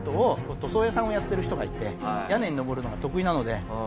塗装屋さんをやってる人がいて屋根に上るのが得意なので呼んだんですよ。